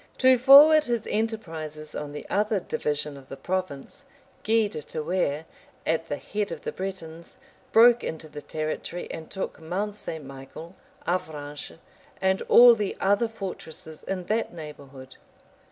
To forward his enterprises on the other division of the province, Gui de Thouars, at the head of the Bretons, broke into the territory, and took Mount St. Michael, Avranches, and all the other fortresses in that neighborhood.